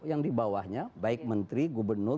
yang di bawahnya baik menteri gubernur